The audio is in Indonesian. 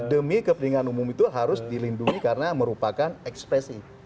demi kepentingan umum itu harus dilindungi karena merupakan ekspresi